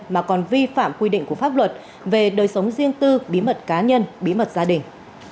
mà còn vi phạm quy định của pháp luật về đời sống riêng tư bí mật cá nhân bí mật gia đình